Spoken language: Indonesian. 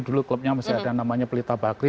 dulu klubnya masih ada namanya pelita bakri